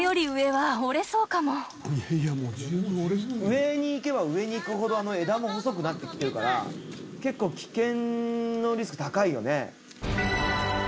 上に行けば上に行くほど枝も細くなってきてるから結構危険のリスク高いよね。